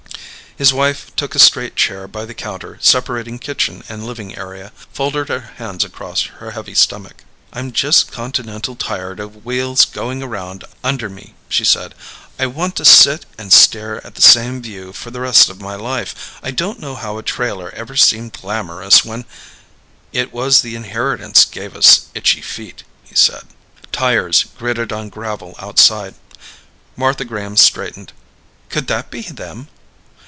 His wife took a straight chair by the counter separating kitchen and living area, folded her hands across her heavy stomach. "I'm just continental tired of wheels going around under me," she said. "I want to sit and stare at the same view for the rest of my life. I don't know how a trailer ever seemed glamorous when " "It was the inheritance gave us itchy feet," he said. Tires gritted on gravel outside. Martha Graham straightened. "Could that be them?"